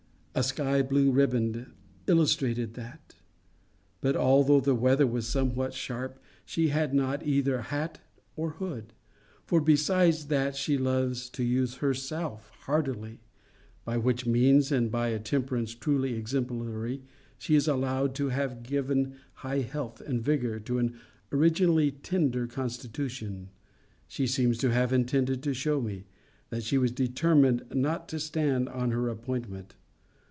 A sky blue ribband illustrated that. But although the weather was somewhat sharp, she had not on either hat or hood; for, besides that she loves to use herself hardily (by which means and by a temperance truly exemplary, she is allowed to have given high health and vigour to an originally tender constitution) she seems to have intended to shew me, that she was determined not to stand to her appointment.